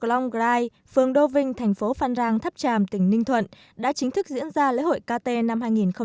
poclong rai phường đô vinh thành phố phan rang thắp tràm tỉnh ninh thuận đã chính thức diễn ra lễ hội kt năm hai nghìn một mươi sáu